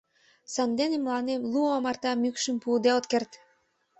Сандене мыланем лу омарта мӱкшым пуыде от керт!